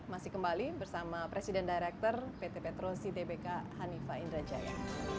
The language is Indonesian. masih kembali bersama presiden direktur pt petrosi tpk hanifah indrajaya